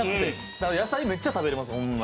だから野菜めっちゃ食べれます